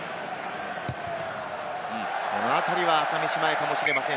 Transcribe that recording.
このあたりは朝飯前かもしれません。